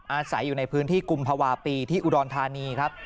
อาศัยอยู่ในพื้นที่กุมภาวะปีที่อุดรธานีครับ